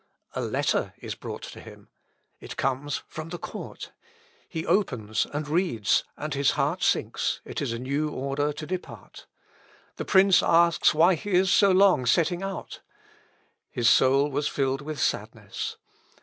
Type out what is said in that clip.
A letter is brought to him.... It comes from the court. He opens and reads, and his heart sinks; it is a new order to depart. The prince asks why he is so long of setting out. His soul was filled with sadness.